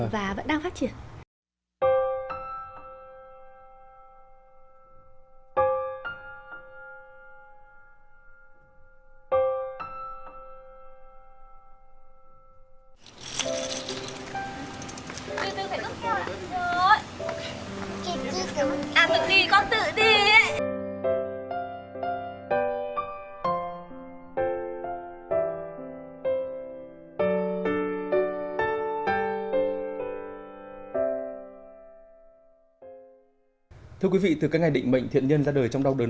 và vẫn đang phát triển